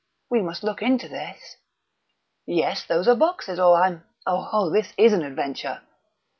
We must look into this! Yes, those are boxes, or I'm ... oho, this is an adventure!"